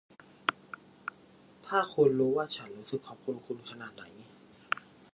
ถ้าคุณรู้ว่าฉันรู้สึกขอบคุณคุณขนาดไหน